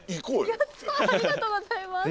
やったありがとうございます。